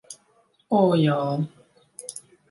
O, jā!